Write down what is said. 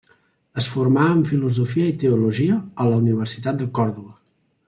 Es formà en filosofia i teologia a la Universitat de Córdoba.